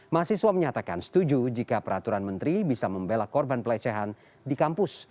mahasiswa menyatakan setuju jika peraturan menteri bisa membela korban pelecehan di kampus